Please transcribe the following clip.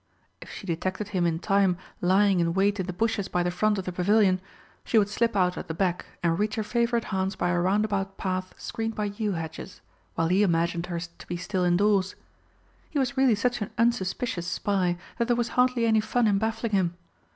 If she detected him in time lying in wait in the bushes by the front of the Pavilion, she would slip out at the back, and reach her favourite haunts by a roundabout path screened by yew hedges, while he imagined her to be still indoors. He was really such an unsuspicious spy that there was hardly any fun in baffling him.